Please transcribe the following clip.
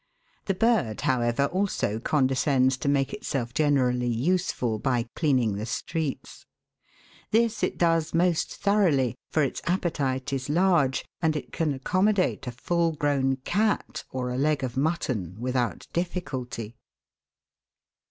The bird, however, also condescends to make itself generally useful by clean ing the streets. This it does most thoroughly, for its appetite is large, and it can accommodate a full grown cat or a leg of mutton without difficulty.